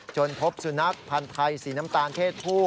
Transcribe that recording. พบสุนัขพันธ์ไทยสีน้ำตาลเพศผู้